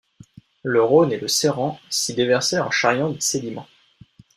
Le Rhône et le Séran s'y déversaient en charriant des sédiments.